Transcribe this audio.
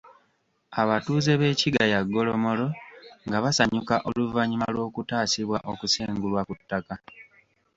Abatuuze b'e Kigaya Golomolo nga basanyuka oluvannyuma lw'okutaasibwa okusengulwa ku ttaka.